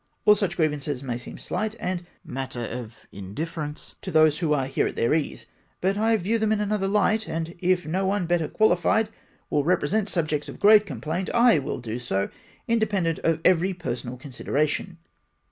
All such grievances may seem slight and matter of indifference to those who are here at their ease ; but I view them in another light, and if no one better qualified will represent subjects of great complaint, I will do so, independent of ever}^ personal consideration.